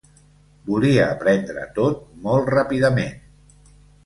Volia aprendre tot molt ràpidament.